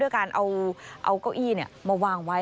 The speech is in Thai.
การเอาเก้าอี้มาวางไว้